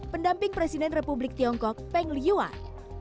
pendamping presiden republik tiongkok peng liyuan